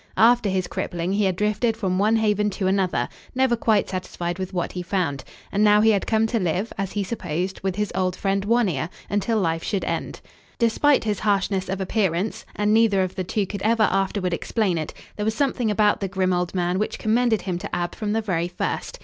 After his crippling he had drifted from one haven to another, never quite satisfied with what he found, and now he had come to live, as he supposed, with his old friend, One Ear, until life should end. Despite his harshness of appearance and neither of the two could ever afterward explain it there was something about the grim old man which commended him to Ab from the very first.